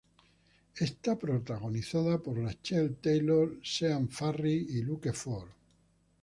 Es protagonizada por Rachael Taylor, Sean Faris, y Luke Ford.